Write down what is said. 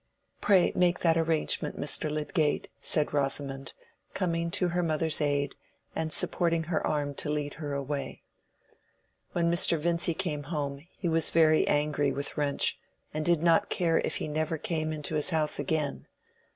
"Pray make that arrangement, Mr. Lydgate," said Rosamond, coming to her mother's aid, and supporting her arm to lead her away. When Mr. Vincy came home he was very angry with Wrench, and did not care if he never came into his house again.